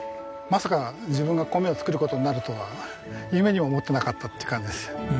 まさか自分が米を作る事になるとは夢にも思ってなかったっていう感じです。